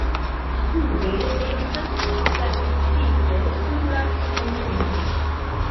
Sube estas statistiko sur la komunumoj.